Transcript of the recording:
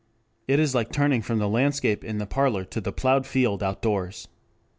It is like turning from the landscape in the parlor to the ploughed field outdoors.